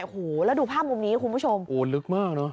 โอ้โหแล้วดูภาพมุมนี้คุณผู้ชมโอ้ลึกมากเนอะ